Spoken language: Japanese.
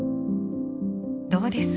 どうです？